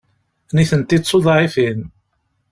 Nitenti d tuḍɛifin.